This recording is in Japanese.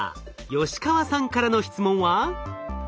吉川さんからの質問は？